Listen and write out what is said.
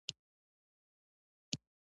د ادې اوښکې روانې سوې.